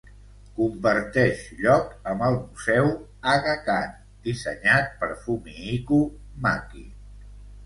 Comparteix lloc amb el Museu Aga Khan dissenyat per Fumihiko Maki.